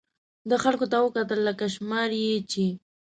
ده خلکو ته وکتل، لکه شماري یې چې.